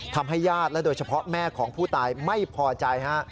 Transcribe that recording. ทำให้ญาติและโดยเฉพาะแม่ของผู้ตายไม่พอใจฮะ